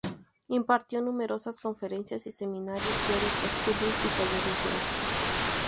Impartió numerosas conferencias y seminarios teóricos, cursos y talleres de arte.